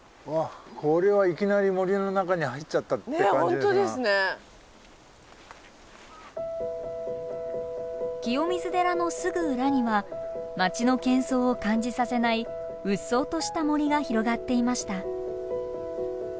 わっこれは清水寺のすぐ裏には街のけん騒を感じさせないうっそうとした森が広がっていました。